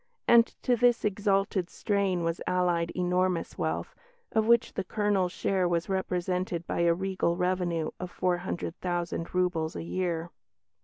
And to this exalted strain was allied enormous wealth, of which the Colonel's share was represented by a regal revenue of four hundred thousand roubles a year.